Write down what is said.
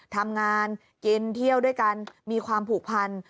ทำงานกินเที่ยวด้วยกันมีความผูกพัน